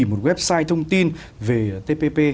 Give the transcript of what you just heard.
một website thông tin về tpp